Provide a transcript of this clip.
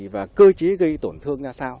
và cơ chế gây tổn thương ra sao